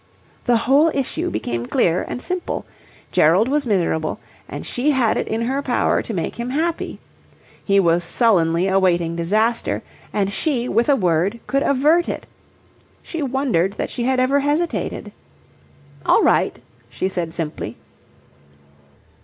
The whole issue became clear and simple. Gerald was miserable and she had it in her power to make him happy. He was sullenly awaiting disaster and she with a word could avert it. She wondered that she had ever hesitated. "All right," she said simply.